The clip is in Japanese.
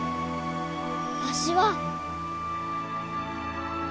わしは。